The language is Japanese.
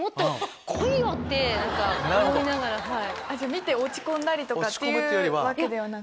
見て落ち込んだりとかっていうわけではなく。